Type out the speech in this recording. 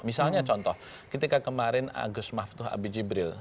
misalnya contoh ketika kemarin agus maftuh abi jibril